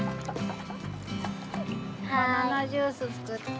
バナナジュースつくって。